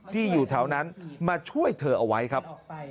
ที่อยู่แถวนั้นมาช่วยเธอเอาไว้ครับ